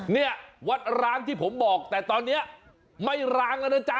เนี่ยวัดร้างที่ผมบอกแต่ตอนนี้ไม่ร้างแล้วนะจ๊ะ